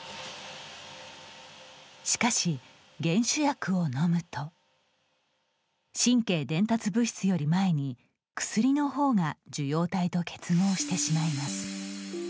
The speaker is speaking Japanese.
しかし、減酒薬を飲むと神経伝達物質より前に薬のほうが受容体と結合してしまいます。